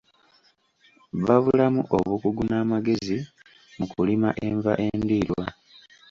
Babulamu obukugu n'amagezi mu kulima enva endiirwa.